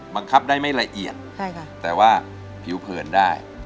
บังคับได้ไม่ละเอียดแต่ว่าผิวเผินได้